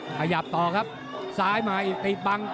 ขยับต่อครับซ้ายมาอีกติดบัง